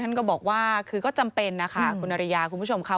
ท่านก็บอกว่าคือก็จำเป็นนะคะคุณอริยาคุณผู้ชมค่ะ